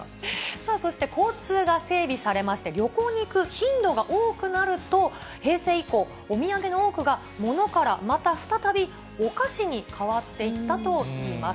さあそして、交通が整備されまして、旅行に行く頻度が多くなると、平成以降、お土産の多くが、ものからまた再び、お菓子に変わっていったといいます。